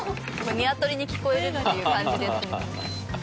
ニワトリに聞こえるっていう感じ。